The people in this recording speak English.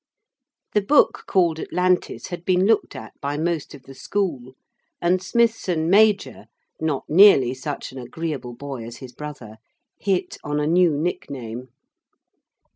The book called Atlantis had been looked at by most of the school, and Smithson major, not nearly such an agreeable boy as his brother, hit on a new nickname.